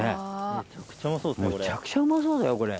めちゃくちゃうまそうだよこれ。